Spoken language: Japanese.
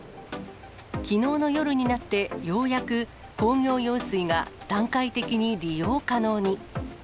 きのうの夜になって、ようやく工業用水が段階的に利用可能に。